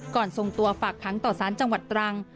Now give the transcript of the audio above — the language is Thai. ก่อนทรงตัวฝักขังต่อสารจังหวัดตรัง